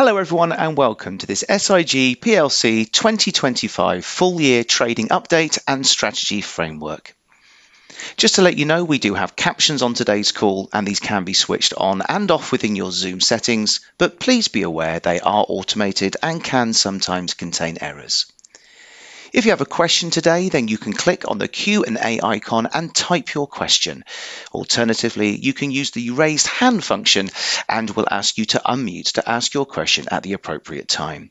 Hello everyone and welcome to this SIG plc 2025 full-year trading update and strategy framework. Just to let you know, we do have captions on today's call, and these can be switched on and off within your Zoom settings, but please be aware they are automated and can sometimes contain errors. If you have a question today, then you can click on the Q&A icon and type your question. Alternatively, you can use the raised hand function, and we'll ask you to unmute to ask your question at the appropriate time.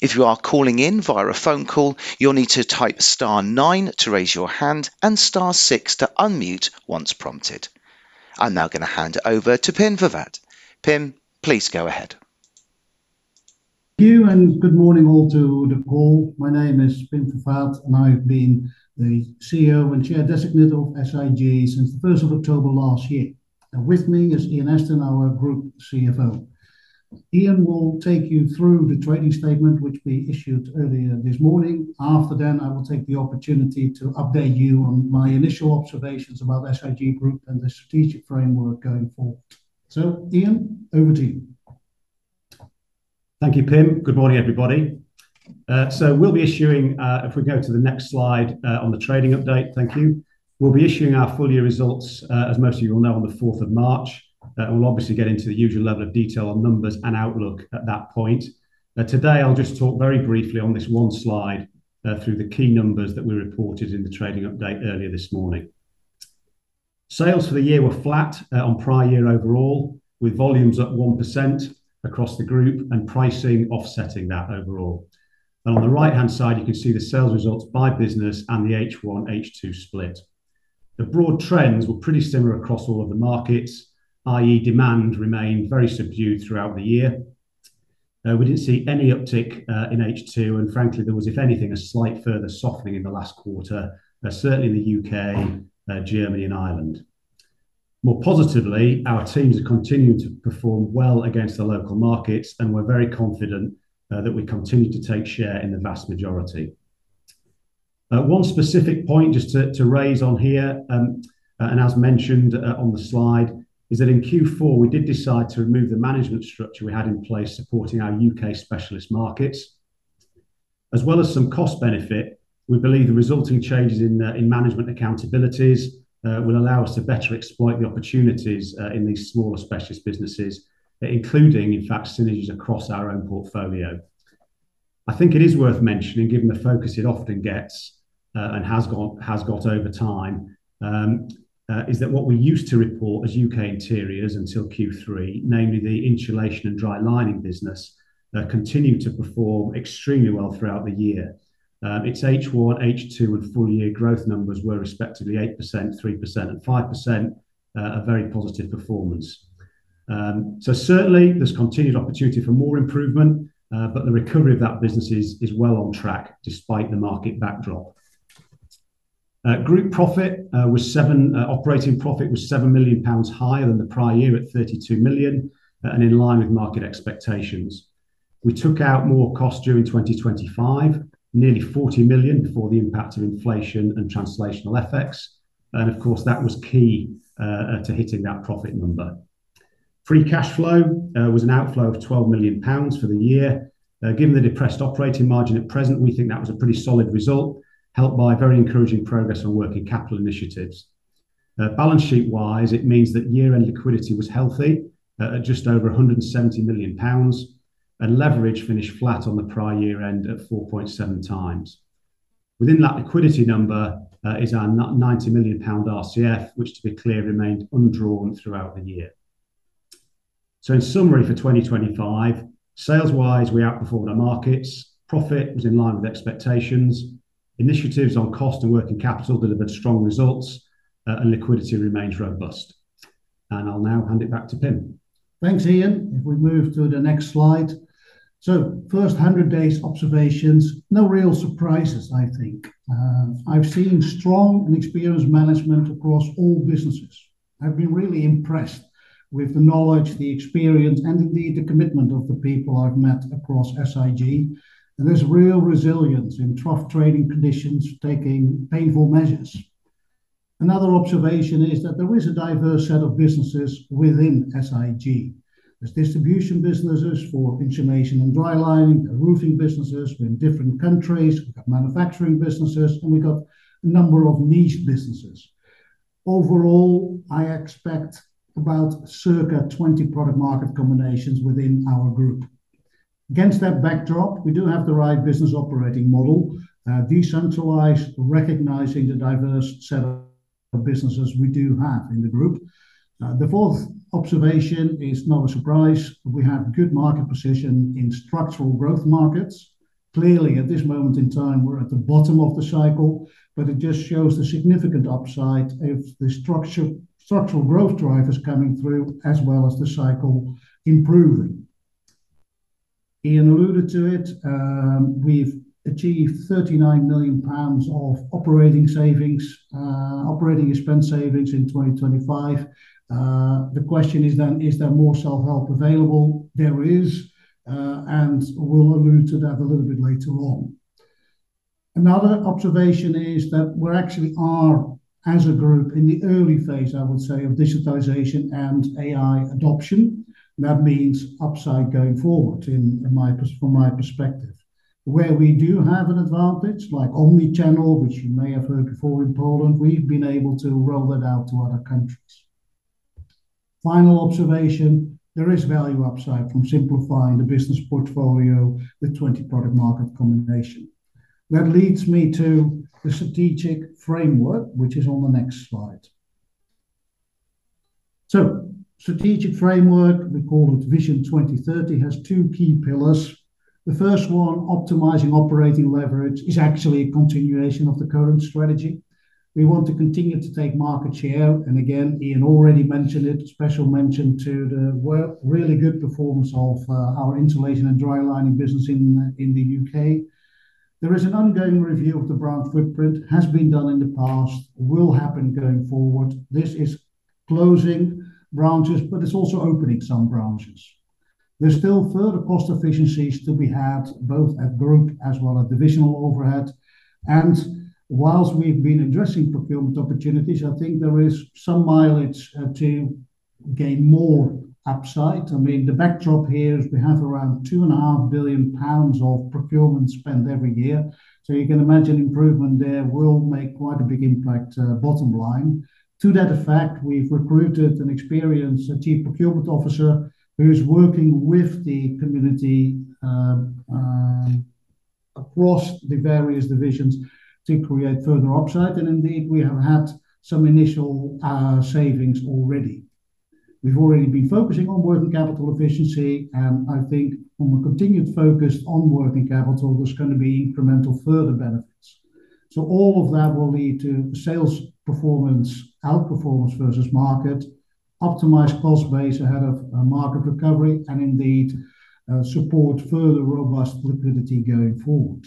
If you are calling in via a phone call, you'll need to type star nine to raise your hand and star six to unmute once prompted. I'm now going to hand it over to Pim Vervaat. Pim, please go ahead. Thank you and good morning all to the call. My name is Pim Vervaat, and I've been the CEO and Chair designate of SIG since the 1st of October last year. With me is Ian Ashton, our Group CFO. Ian will take you through the trading statement, which we issued earlier this morning. After then, I will take the opportunity to update you on my initial observations about SIG Group and the strategic framework going forward. So Ian, over to you. Thank you, Pim. Good morning, everybody. So we'll be issuing, if we go to the next slide on the trading update, thank you. We'll be issuing our full-year results, as most of you will know, on the 4th of March. We'll obviously get into the usual level of detail on numbers and outlook at that point. Today, I'll just talk very briefly on this one slide through the key numbers that we reported in the trading update earlier this morning. Sales for the year were flat on prior year overall, with volumes up 1% across the group and pricing offsetting that overall. And on the right-hand side, you can see the sales results by business and the H1, H2 split. The broad trends were pretty similar across all of the markets, i.e., demand remained very subdued throughout the year. We didn't see any uptick in H2, and frankly, there was, if anything, a slight further softening in the last quarter, certainly in the U.K., Germany, and Ireland. More positively, our teams have continued to perform well against the local markets, and we're very confident that we continue to take share in the vast majority. One specific point just to raise on here, and as mentioned on the slide, is that in Q4, we did decide to remove the management structure we had in place supporting our U.K. Specialist Markets. As well as some cost benefit, we believe the resulting changes in management accountabilities will allow us to better exploit the opportunities in these smaller specialist businesses, including, in fact, synergies across our own portfolio. I think it is worth mentioning, given the focus it often gets and has got over time, is that what we used to report as U.K. Interiors until Q3, namely the insulation and dry lining business, continued to perform extremely well throughout the year. Its H1, H2, and full-year growth numbers were, respectively, 8%, 3%, and 5%, a very positive performance. Certainly, there's continued opportunity for more improvement, but the recovery of that business is well on track despite the market backdrop. Group operating profit was 7 million pounds higher than the prior year at 32 million, and in line with market expectations. We took out more costs during 2025, nearly 40 million for the impact of inflation and translational effects. Of course, that was key to hitting that profit number. Free cash flow was an outflow of 12 million pounds for the year. Given the depressed operating margin at present, we think that was a pretty solid result, helped by very encouraging progress on working capital initiatives. Balance sheet-wise, it means that year-end liquidity was healthy, just over 170 million pounds, and leverage finished flat on the prior year-end at 4.7 times. Within that liquidity number is our 90 million pound RCF, which, to be clear, remained undrawn throughout the year, so in summary for 2025, sales-wise, we outperformed our markets. Profit was in line with expectations. Initiatives on cost and working capital delivered strong results, and liquidity remains robust, and I'll now hand it back to Pim. Thanks, Ian. If we move to the next slide. So first, 100 days observations, no real surprises, I think. I've seen strong and experienced management across all businesses. I've been really impressed with the knowledge, the experience, and indeed the commitment of the people I've met across SIG. And there's real resilience in tough trading conditions, taking painful measures. Another observation is that there is a diverse set of businesses within SIG. There's distribution businesses for insulation and dry lining, roofing businesses in different countries. We've got manufacturing businesses, and we've got a number of niche businesses. Overall, I expect about circa 20 product-market combinations within our group. Against that backdrop, we do have the right business operating model, decentralized, recognizing the diverse set of businesses we do have in the group. The fourth observation is no surprise. We have good market position in structural growth markets. Clearly, at this moment in time, we're at the bottom of the cycle, but it just shows the significant upside if the structural growth drivers coming through, as well as the cycle improving. Ian alluded to it. We've achieved 39 million pounds of operating savings, operating expense savings in 2025. The question is then, is there more self-help available? There is, and we'll allude to that a little bit later on. Another observation is that we actually are, as a group, in the early phase, I would say, of digitization and AI adoption. That means upside going forward from my perspective. Where we do have an advantage, like omnichannel, which you may have heard before in Poland, we've been able to roll that out to other countries. Final observation, there is value upside from simplifying the business portfolio with 20 product-market combinations. That leads me to the strategic framework, which is on the next slide. So strategic framework, we call it Vision 2030, has two key pillars. The first one, optimizing operating leverage, is actually a continuation of the current strategy. We want to continue to take market share. And again, Ian already mentioned it, special mention to the really good performance of our insulation and dry lining business in the U.K. There is an ongoing review of the brand footprint, has been done in the past, will happen going forward. This is closing branches, but it's also opening some branches. There's still further cost efficiencies to be had both at group as well as divisional overhead. And whilst we've been addressing procurement opportunities, I think there is some mileage to gain more upside. I mean, the backdrop here is we have around £2.5 billion of procurement spent every year. So you can imagine improvement there will make quite a big impact bottom line. To that effect, we've recruited an experienced Chief Procurement Officer who's working with the community across the various divisions to create further upside. And indeed, we have had some initial savings already. We've already been focusing on working capital efficiency, and I think from a continued focus on working capital, there's going to be incremental further benefits. So all of that will lead to sales performance, outperformance versus market, optimized cost base ahead of market recovery, and indeed support further robust liquidity going forward.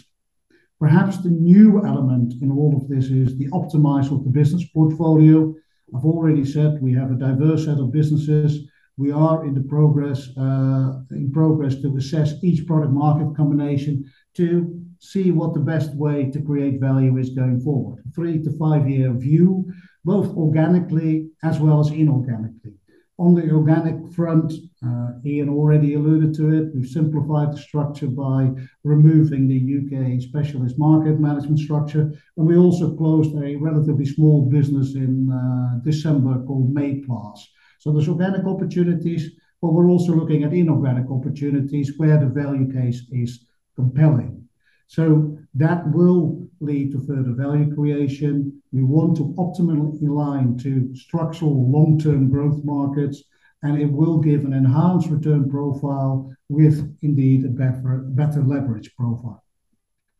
Perhaps the new element in all of this is the optimization of the business portfolio. I've already said we have a diverse set of businesses. We are in progress to assess each product-market combination to see what the best way to create value is going forward, three- to five-year view, both organically as well as inorganically. On the organic front, Ian already alluded to it. We've simplified the structure by removing the U.K. Specialist Markets management structure. And we also closed a relatively small business in December called Mayplas. So there's organic opportunities, but we're also looking at inorganic opportunities where the value case is compelling. So that will lead to further value creation. We want to optimally align to structural long-term growth markets, and it will give an enhanced return profile with indeed a better leverage profile.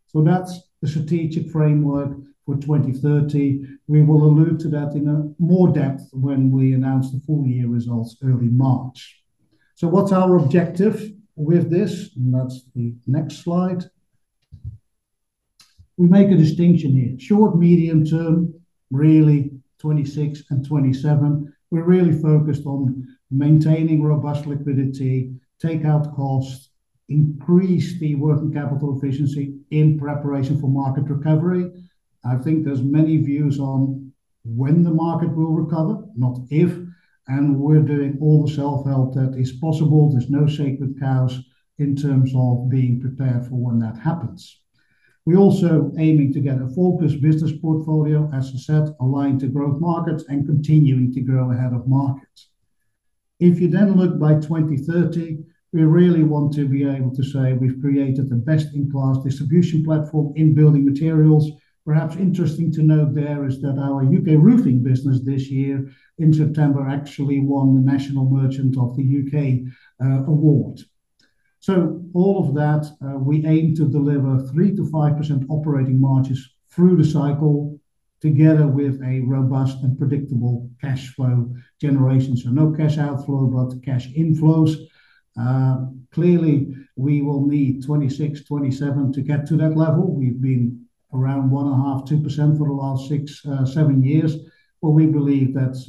So that's the strategic framework for 2030. We will allude to that in more depth when we announce the full-year results early March. So what's our objective with this? And that's the next slide. We make a distinction here. Short, medium term, really 2026 and 2027. We're really focused on maintaining robust liquidity, take out costs, increase the working capital efficiency in preparation for market recovery. I think there's many views on when the market will recover, not if, and we're doing all the self-help that is possible. There's no sacred cows in terms of being prepared for when that happens. We're also aiming to get a focused business portfolio, as I said, aligned to growth markets and continuing to grow ahead of markets. If you then look by 2030, we really want to be able to say we've created the best-in-class distribution platform in building materials. Perhaps interesting to note there is that our U.K. roofing business this year in September actually won the National Merchant of the U.K. award. All of that, we aim to deliver 3%-5% operating margins through the cycle together with a robust and predictable cash flow generation. No cash outflow, but cash inflows. Clearly, we will need 2026, 2027 to get to that level. We've been around 1.5%-2% for the last six, seven years, but we believe that's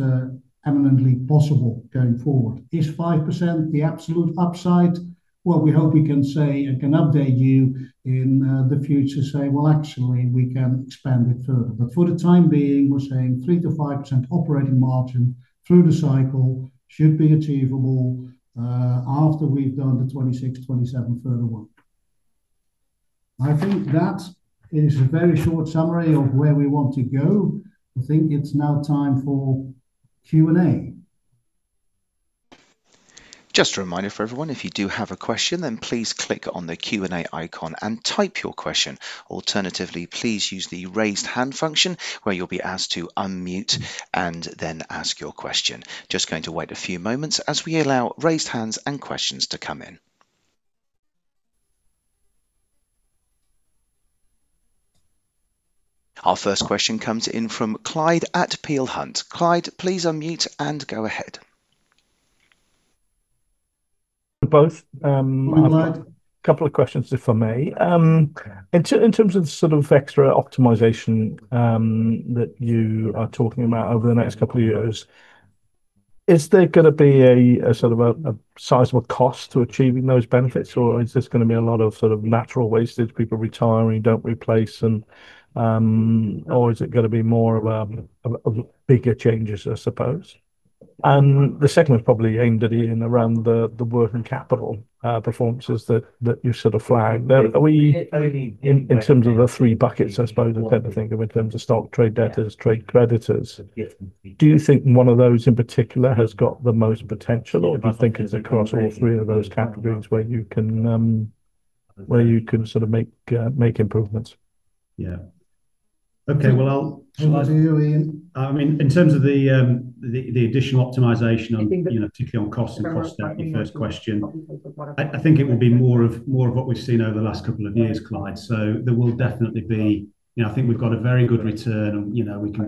eminently possible going forward. Is 5% the absolute upside? We hope we can say and can update you in the future, say, well, actually, we can expand it further. For the time being, we're saying 3%-5% operating margin through the cycle should be achievable after we've done the 2026, 2027 further work. I think that is a very short summary of where we want to go. I think it's now time for Q&A. Just a reminder for everyone, if you do have a question, then please click on the Q&A icon and type your question. Alternatively, please use the raised hand function where you'll be asked to unmute and then ask your question. Just going to wait a few moments as we allow raised hands and questions to come in. Our first question comes in from Clyde at Peel Hunt. Clyde, please unmute and go ahead. Hi, Clyde. I've got a couple of questions just for me. In terms of the sort of extra optimization that you are talking about over the next couple of years, is there going to be a sort of a sizable cost to achieving those benefits, or is this going to be a lot of sort of natural wastage? People retiring, don't replace, or is it going to be more of bigger changes, I suppose? And the second was probably aimed at Ian around the working capital performances that you sort of flagged. In terms of the three buckets, I suppose, I tend to think of in terms of stock, trade debtors, trade creditors. Do you think one of those in particular has got the most potential, or do you think it's across all three of those categories where you can sort of make improvements? Yeah. Okay. Well. All to you Ian. I mean, in terms of the additional optimization, particularly on cost and cost, your first question, I think it will be more of what we've seen over the last couple of years, Clyde. So there will definitely be, I think we've got a very good return.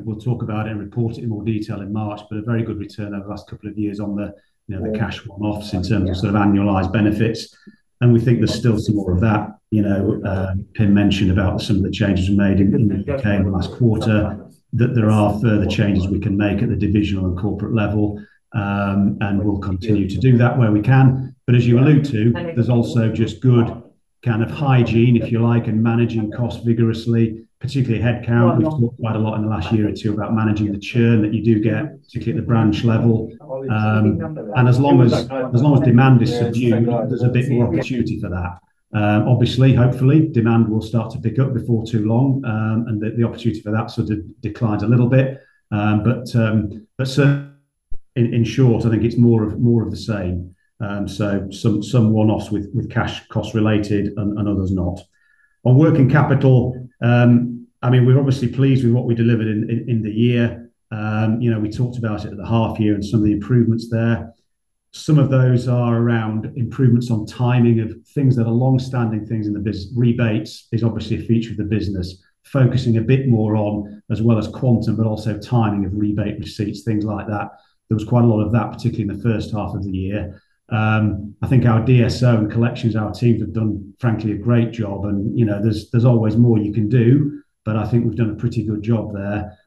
We'll talk about it and report it in more detail in March, but a very good return over the last couple of years on the cash one-offs in terms of sort of annualized benefits. And we think there's still some more of that. Pim mentioned about some of the changes we made in the UK in the last quarter, that there are further changes we can make at the divisional and corporate level, and we'll continue to do that where we can. But as you allude to, there's also just good kind of hygiene, if you like, and managing costs vigorously, particularly headcount. We've talked quite a lot in the last year or two about managing the churn that you do get, particularly at the branch level. And as long as demand is subdued, there's a bit more opportunity for that. Obviously, hopefully, demand will start to pick up before too long, and the opportunity for that sort of declines a little bit. But in short, I think it's more of the same. So some one-offs with cash cost-related and others not. On working capital, I mean, we're obviously pleased with what we delivered in the year. We talked about it at the half year and some of the improvements there. Some of those are around improvements on timing of things that are long-standing things in the business. Rebates is obviously a feature of the business, focusing a bit more on, as well as quantum, but also timing of rebate receipts, things like that. There was quite a lot of that, particularly in the first half of the year. I think our DSO and collections, our teams have done, frankly, a great job, and there's always more you can do, but I think we've done a pretty good job there,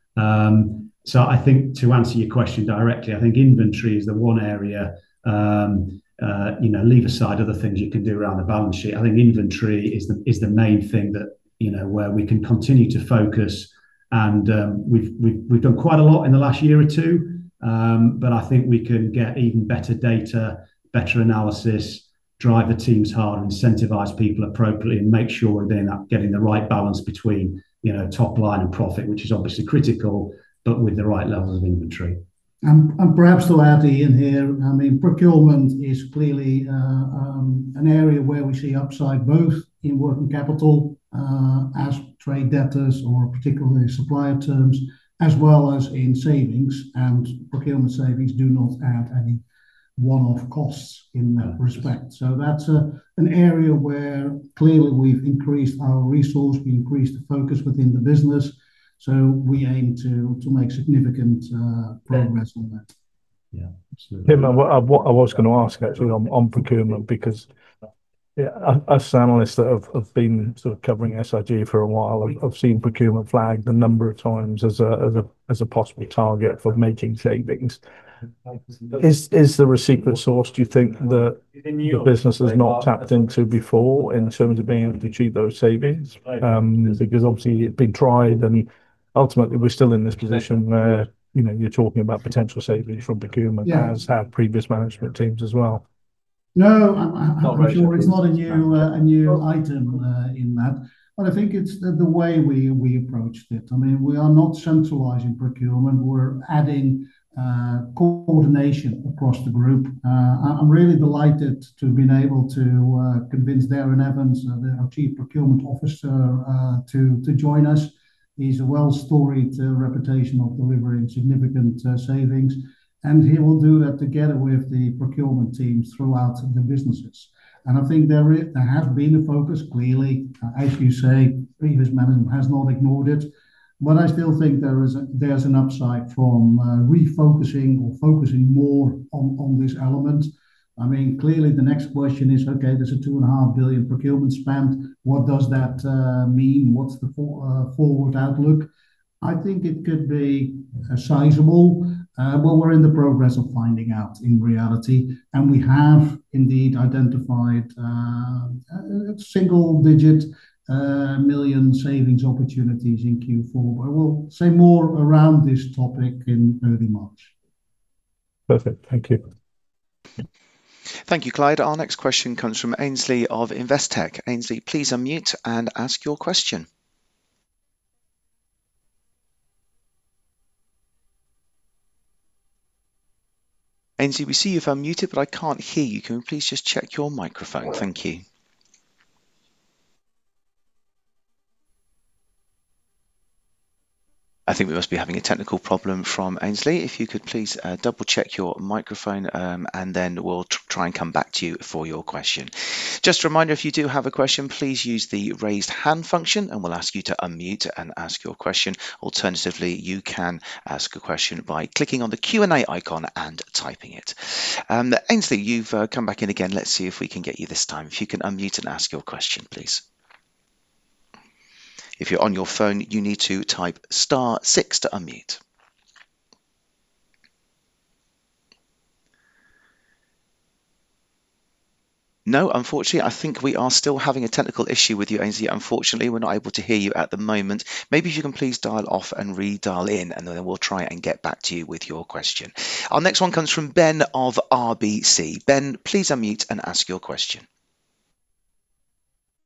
so I think to answer your question directly, I think inventory is the one area, leave aside other things you can do around the balance sheet. I think inventory is the main thing where we can continue to focus. We've done quite a lot in the last year or two, but I think we can get even better data, better analysis, drive the teams hard, incentivize people appropriately, and make sure we're getting the right balance between top line and profit, which is obviously critical, but with the right levels of inventory. Perhaps to add, Ian here, I mean, procurement is clearly an area where we see upside both in working capital as trade debtors or particularly supplier terms, as well as in savings. Procurement savings do not add any one-off costs in that respect. That's an area where clearly we've increased our resource, we increased the focus within the business. We aim to make significant progress on that. Yeah. Pim, I was going to ask actually on procurement because as analysts that have been sort of covering SIG for a while, I've seen procurement flagged a number of times as a possible target for making savings. Is there a secret source, do you think, that the business has not tapped into before in terms of being able to achieve those savings? Because obviously, it's been tried, and ultimately, we're still in this position where you're talking about potential savings from procurement as have previous management teams as well. No, I'm not really sure. It's not a new item in that, but I think it's the way we approached it. I mean, we are not centralizing procurement. We're adding coordination across the group. I'm really delighted to have been able to convince Darren Evans, our Chief Procurement Officer, to join us. He's a well-storied reputation of delivering significant savings, and he will do that together with the procurement teams throughout the businesses, and I think there has been a focus, clearly, as you say, previous management has not ignored it, but I still think there's an upside from refocusing or focusing more on this element. I mean, clearly, the next question is, okay, there's a 2.5 billion procurement spent. What does that mean? What's the forward outlook? I think it could be sizable, but we're in the process of finding out in reality. We have indeed identified single-digit million savings opportunities in Q4. We'll say more around this topic in early March. Perfect. Thank you. Thank you, Clyde. Our next question comes from Aynsley of Investec. Aynsley, please unmute and ask your question. Aynsley, we see you've unmuted, but I can't hear you. Can we please just check your microphone? Thank you. I think we must be having a technical problem from Aynsley. If you could please double-check your microphone, and then we'll try and come back to you for your question. Just a reminder, if you do have a question, please use the raised hand function, and we'll ask you to unmute and ask your question. Alternatively, you can ask a question by clicking on the Q&A icon and typing it. Aynsley, you've come back in again. Let's see if we can get you this time. If you can unmute and ask your question, please. If you're on your phone, you need to type star six to unmute. No, unfortunately, I think we are still having a technical issue with you, Aynsley. Unfortunately, we're not able to hear you at the moment. Maybe if you can please dial off and redial in, and then we'll try and get back to you with your question. Our next one comes from Ben of RBC. Ben, please unmute and ask your question.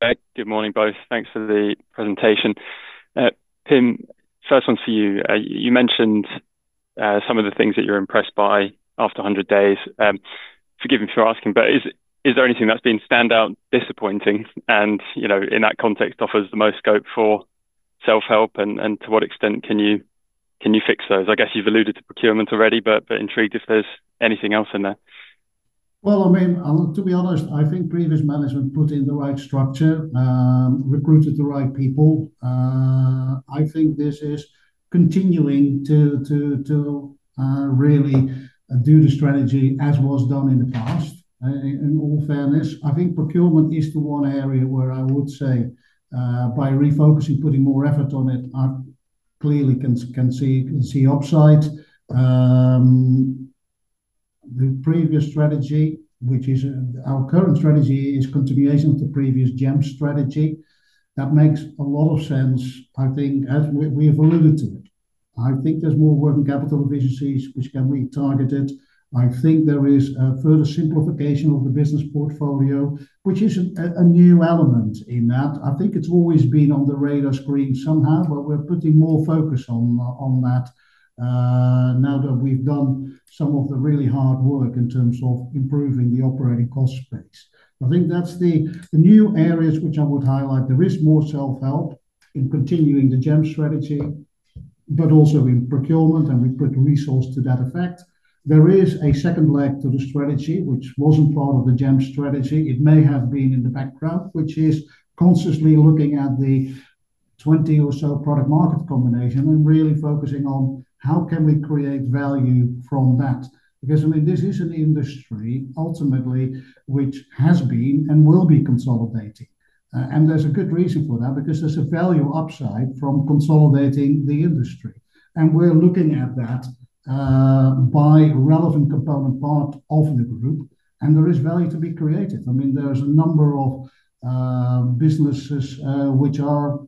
Hey, good morning, both. Thanks for the presentation. Pim, first one for you. You mentioned some of the things that you're impressed by after 100 days. Forgive me for asking, but is there anything that's been standout, disappointing, and in that context, offers the most scope for self-help? And to what extent can you fix those? I guess you've alluded to procurement already, but intrigued if there's anything else in there. I mean, to be honest, I think previous management put in the right structure, recruited the right people. I think this is continuing to really do the strategy as was done in the past, in all fairness. I think procurement is the one area where I would say, by refocusing, putting more effort on it, I clearly can see upside. The previous strategy, which is our current strategy, is continuation of the previous GEMS strategy. That makes a lot of sense, I think, as we have alluded to it. I think there's more working capital efficiencies, which can be targeted. I think there is a further simplification of the business portfolio, which is a new element in that. I think it's always been on the radar screen somehow, but we're putting more focus on that now that we've done some of the really hard work in terms of improving the operating cost space. I think that's the new areas which I would highlight. There is more self-help in continuing the GEMS strategy, but also in procurement, and we put resource to that effect. There is a second leg to the strategy, which wasn't part of the GEMS strategy. It may have been in the background, which is consciously looking at the 20 or so product-market combination and really focusing on how can we create value from that. Because, I mean, this is an industry ultimately which has been and will be consolidating. And there's a good reason for that because there's a value upside from consolidating the industry. We're looking at that by relevant component part of the group, and there is value to be created. I mean, there's a number of businesses which are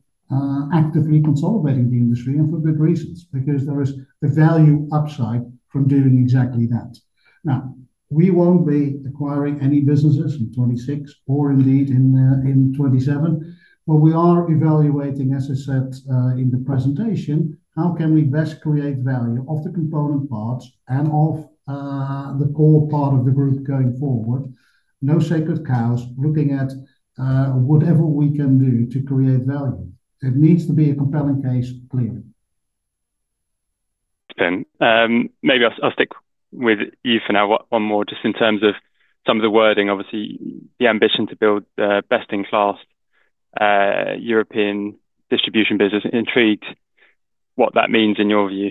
actively consolidating the industry and for good reasons because there is a value upside from doing exactly that. Now, we won't be acquiring any businesses in 2026 or indeed in 2027, but we are evaluating, as I said in the presentation, how can we best create value of the component parts and of the core part of the group going forward. No sacred cows looking at whatever we can do to create value. It needs to be a compelling case, clearly. Pim, maybe I'll stick with you for now, one more, just in terms of some of the wording. Obviously, the ambition to build the best-in-class European distribution business intrigues what that means in your view.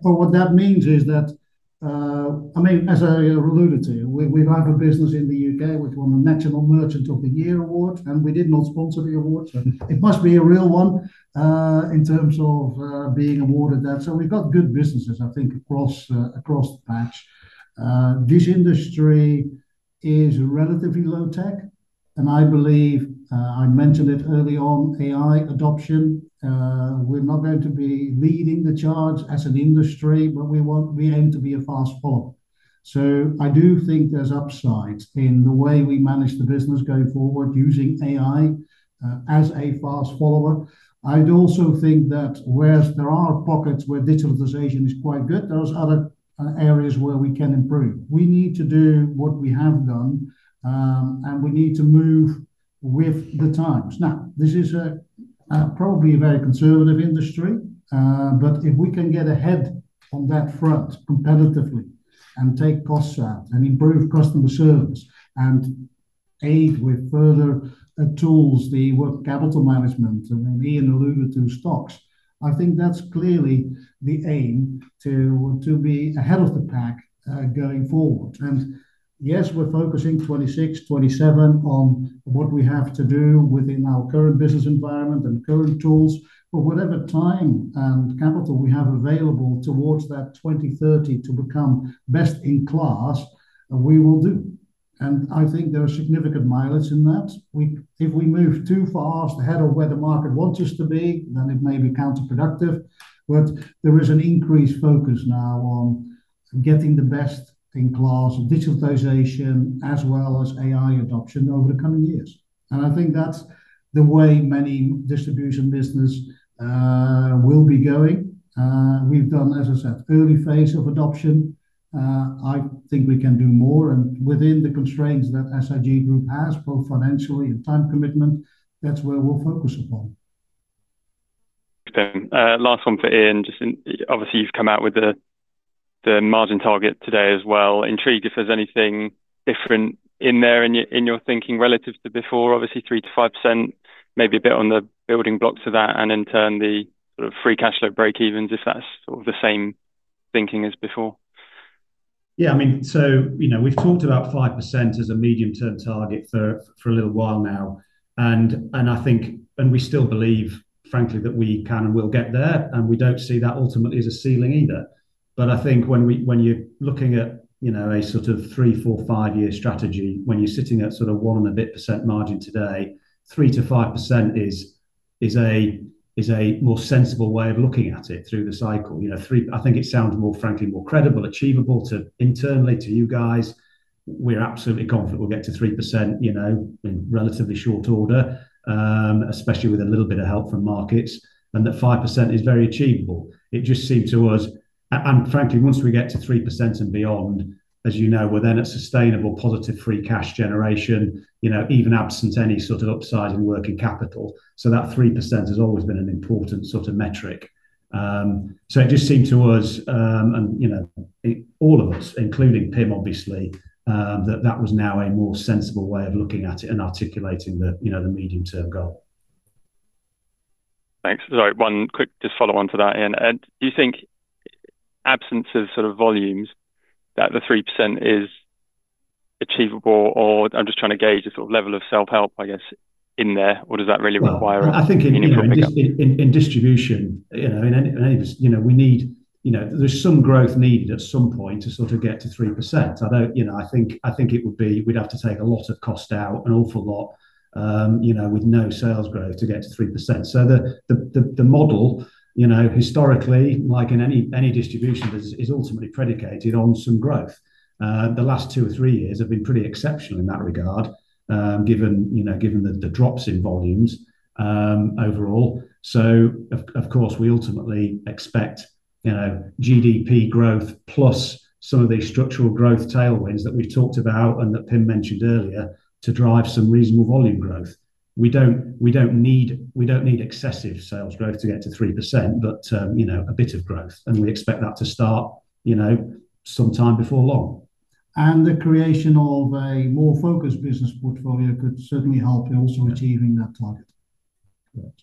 What that means is that, I mean, as I alluded to, we've had a business in the UK which won the National Merchant of the Year award, and we did not sponsor the award. It must be a real one in terms of being awarded that. So we've got good businesses, I think, across the patch. This industry is relatively low tech, and I believe, I mentioned it early on, AI adoption. We're not going to be leading the charge as an industry, but we aim to be a fast follower. So I do think there's upside in the way we manage the business going forward using AI as a fast follower. I do also think that where there are pockets where digitalization is quite good, there are other areas where we can improve. We need to do what we have done, and we need to move with the times. Now, this is probably a very conservative industry, but if we can get ahead on that front competitively and take costs out and improve customer service and aid with further tools, the working capital management, and Ian alluded to stocks, I think that's clearly the aim to be ahead of the pack going forward. And yes, we're focusing 2026, 2027 on what we have to do within our current business environment and current tools, but whatever time and capital we have available towards that 2030 to become best in class, we will do. And I think there are significant mileage in that. If we move too fast ahead of where the market wants us to be, then it may be counterproductive. But there is an increased focus now on getting the best-in-class digitalization, as well as AI adoption over the coming years. And I think that's the way many distribution businesses will be going. We've done, as I said, early phase of adoption. I think we can do more. And within the constraints that SIG Group has, both financially and time commitment, that's where we'll focus upon. Pim, last one for Ian. Obviously, you've come out with the margin target today as well. Intrigued if there's anything different in there in your thinking relative to before? Obviously, 3%-5%, maybe a bit on the building blocks of that, and in turn, the sort of free cash flow breakevens if that's sort of the same thinking as before. Yeah. I mean, so we've talked about 5% as a medium-term target for a little while now. And I think, and we still believe, frankly, that we can and will get there. And we don't see that ultimately as a ceiling either. But I think when you're looking at a sort of three, four, five-year strategy, when you're sitting at sort of one and a bit percent margin today, 3%-5% is a more sensible way of looking at it through the cycle. I think it sounds more, frankly, more credible, achievable internally to you guys. We're absolutely confident we'll get to 3% in relatively short order, especially with a little bit of help from markets, and that 5% is very achievable. It just seemed to us, and frankly, once we get to 3% and beyond, as you know, we're then at sustainable positive free cash generation, even absent any sort of upside in working capital. So that 3% has always been an important sort of metric. So it just seemed to us, and all of us, including Pim, obviously, that that was now a more sensible way of looking at it and articulating the medium-term goal. Thanks. Sorry, one quick just follow-on to that, Ian. Do you think absence of sort of volumes, that the 3% is achievable, or I'm just trying to gauge the sort of level of self-help, I guess, in there, or does that really require a? I think in distribution, there's some growth needed at some point to sort of get to 3%. I think we'd have to take a lot of cost out, an awful lot with no sales growth to get to 3%, so the model, historically, like in any distribution, is ultimately predicated on some growth. The last two or three years have been pretty exceptional in that regard, given the drops in volumes overall, so of course, we ultimately expect GDP growth plus some of these structural growth tailwinds that we've talked about and that Pim mentioned earlier to drive some reasonable volume growth. We don't need excessive sales growth to get to 3%, but a bit of growth, and we expect that to start sometime before long, and the creation of a more focused business portfolio could certainly help in also achieving that target.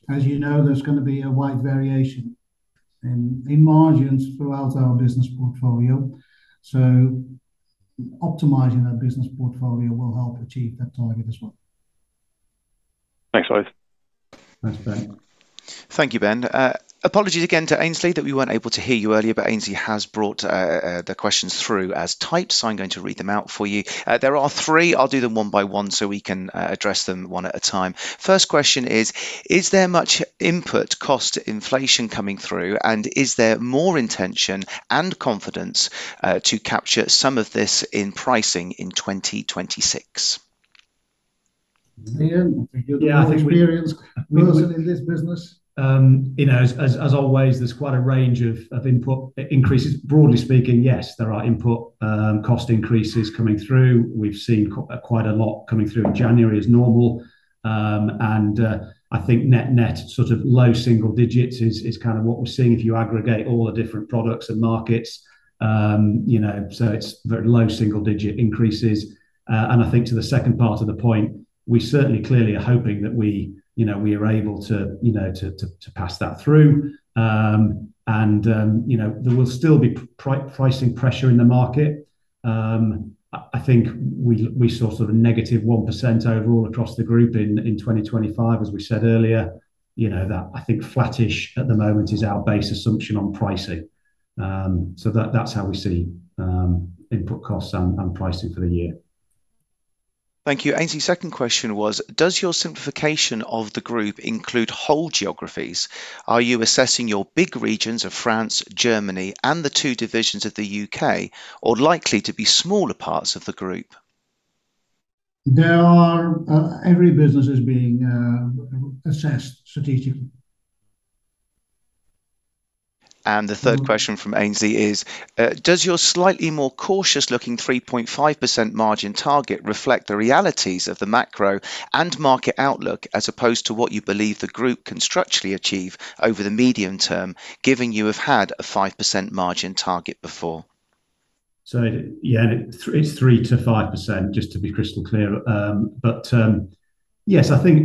As you know, there's going to be a wide variation in margins throughout our business portfolio. So optimizing our business portfolio will help achieve that target as well. Thanks, both. Thanks Ben. Thank you, Ben. Apologies again to Aynsley that we weren't able to hear you earlier, but Aynsley has brought the questions through as typed, so I'm going to read them out for you. There are three. I'll do them one by one so we can address them one at a time. First question is, is there much input cost inflation coming through, and is there more intention and confidence to capture some of this in pricing in 2026? Ian, you have experience personally in this business? As always, there's quite a range of input increases. Broadly speaking, yes, there are input cost increases coming through. We've seen quite a lot coming through in January as normal. I think net sort of low single digits is kind of what we're seeing if you aggregate all the different products and markets. So it's very low single digit increases. I think to the second part of the point, we certainly clearly are hoping that we are able to pass that through. There will still be pricing pressure in the market. I think we saw sort of negative 1% overall across the group in 2025, as we said earlier. I think flattish at the moment is our base assumption on pricing. So that's how we see input costs and pricing for the year. Thank you. Aynsley, second question was, does your simplification of the group include whole geographies? Are you assessing your big regions of France, Germany, and the two divisions of the UK, or likely to be smaller parts of the group? Every business is being assessed strategically. The third question from Aynsley is, does your slightly more cautious-looking 3.5% margin target reflect the realities of the macro and market outlook as opposed to what you believe the group can structurally achieve over the medium term, given you have had a 5% margin target before? So yeah, it's 3%-5%, just to be crystal clear. But yes, I think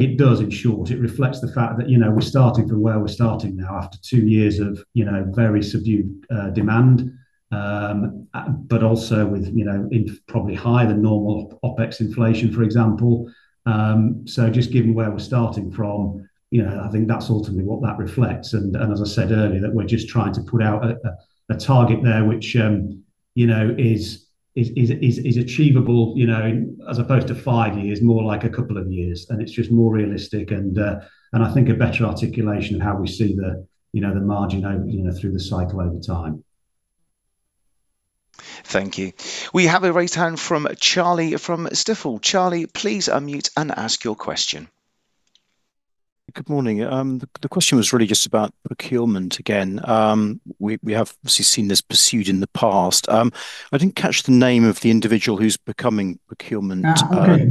it does, in short. It reflects the fact that we're starting from where we're starting now after two years of very subdued demand, but also with probably higher than normal OpEx inflation, for example. So just given where we're starting from, I think that's ultimately what that reflects. And as I said earlier, that we're just trying to put out a target there which is achievable as opposed to five years, more like a couple of years. And it's just more realistic, and I think a better articulation of how we see the margin through the cycle over time. Thank you. We have a raised hand from Charlie from Stifel. Charlie, please unmute and ask your question. Good morning. The question was really just about procurement again. We have obviously seen this pursued in the past. I didn't catch the name of the individual who's becoming procurement director.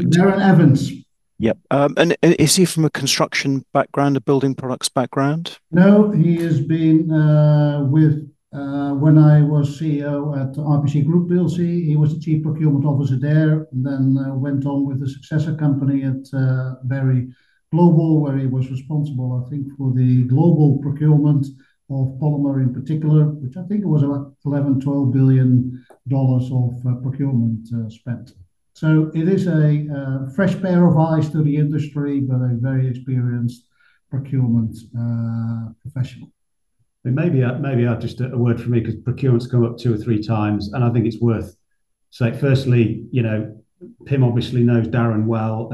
Darren Evans. Yep. And is he from a construction background, a building products background? No, he has been with when I was CEO at RPC Group, you'll see. He was the chief procurement officer there, then went on with a successor company at Berry Global, where he was responsible, I think, for the global procurement of polymer in particular, which I think it was about $11-12 billion of procurement spent. So it is a fresh pair of eyes to the industry, but a very experienced procurement professional. It may be just a word for me because procurement's come up two or three times, and I think it's worth saying. Firstly, Pim obviously knows Darren well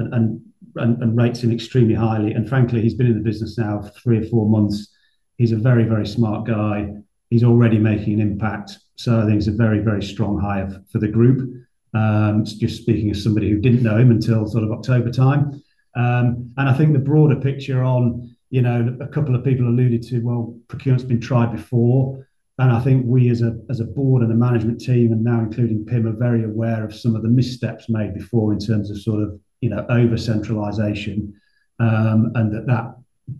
and rates him extremely highly. And frankly, he's been in the business now three or four months. He's a very, very smart guy. He's already making an impact. So I think it's a very, very strong hire for the group, just speaking as somebody who didn't know him until sort of October time. And I think the broader picture on a couple of people alluded to, well, procurement's been tried before. And I think we as a board and the management team, and now including Pim, are very aware of some of the missteps made before in terms of sort of over-centralization and that that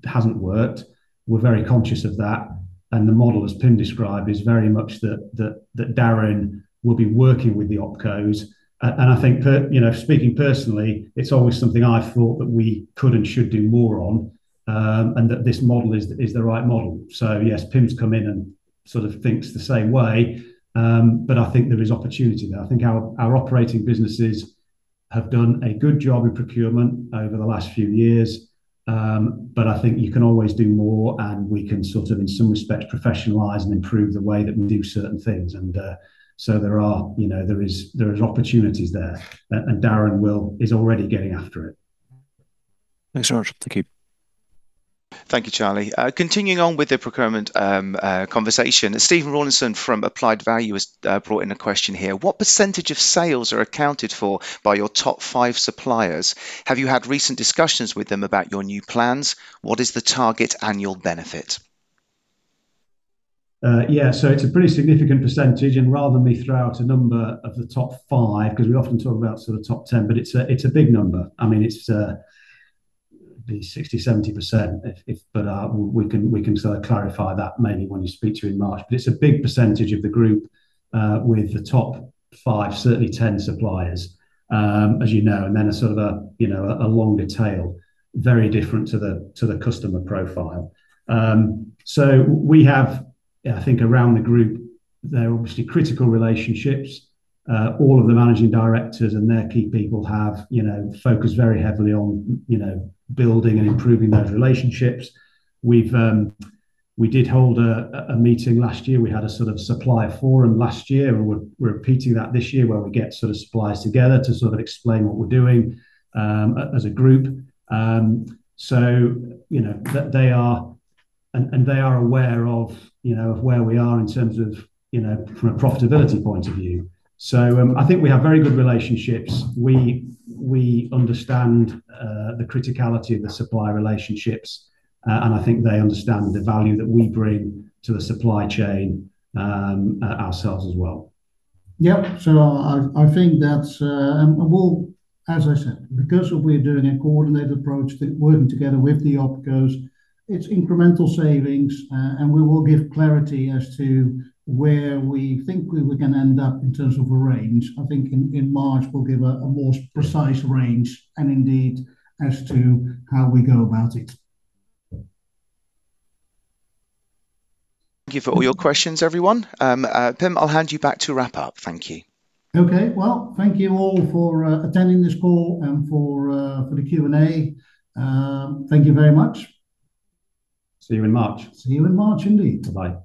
hasn't worked. We're very conscious of that. The model, as Pim described, is very much that Darren will be working with the opcos. I think, speaking personally, it's always something I thought that we could and should do more on and that this model is the right model. Yes, Pim's come in and sort of thinks the same way, but I think there is opportunity there. I think our operating businesses have done a good job in procurement over the last few years, but I think you can always do more, and we can sort of, in some respects, professionalize and improve the way that we do certain things. There are opportunities there, and Darren is already getting after it. Thanks so much. Thank you. Thank you, Charlie. Continuing on with the procurement conversation, Stephen Rawlinson from Applied Value has brought in a question here. What percentage of sales are accounted for by your top five suppliers? Have you had recent discussions with them about your new plans? What is the target annual benefit? Yeah. So it's a pretty significant percentage, and rather than me throw out a number of the top five because we often talk about sort of top 10, but it's a big number. I mean, it's 60%-70%, but we can sort of clarify that maybe when you speak to in March. But it's a big percentage of the group with the top five, certainly 10 suppliers, as you know, and then a sort of a longer tail, very different to the customer profile. So we have, I think, around the group, they're obviously critical relationships. All of the managing directors and their key people have focused very heavily on building and improving those relationships. We did hold a meeting last year. We had a sort of supplier forum last year, and we're repeating that this year where we get sort of suppliers together to sort of explain what we're doing as a group. So they are aware of where we are in terms of from a profitability point of view. So I think we have very good relationships. We understand the criticality of the supplier relationships, and I think they understand the value that we bring to the supply chain ourselves as well. Yep. So I think that's well, as I said, because we're doing a coordinated approach, working together with the opcos, it's incremental savings, and we will give clarity as to where we think we can end up in terms of a range. I think in March, we'll give a more precise range and indeed as to how we go about it. Thank you for all your questions, everyone. Pim, I'll hand you back to wrap up. Thank you. Okay. Well, thank you all for attending this call and for the Q&A. Thank you very much. See you in March. See you in March, indeed. Bye-bye.